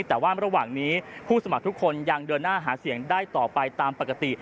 แต่ว่าระหว่างนี้ผู้สมัครทุกคนยังเดินหน้าหาเสียงได้ต่อไปตามปกติ